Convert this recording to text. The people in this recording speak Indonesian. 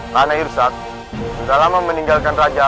karena irsyad sudah lama meninggalkan raja